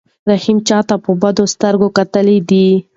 رحیم چاته په بدو سترګو کتلي دي؟